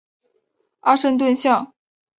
阿什顿巷。